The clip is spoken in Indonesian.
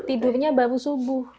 tidurnya baru subuh